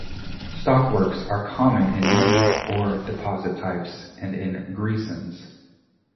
Stockworks are common in many ore deposit types and in greisens.